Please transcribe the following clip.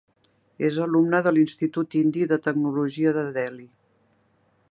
És alumne de l'Institut Indi de Tecnologia de Delhi.